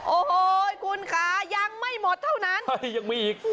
โอ้โห้ยคุณคะยังไม่หมดเท่านั้น